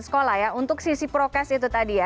sekolah ya untuk sisi prokes itu tadi ya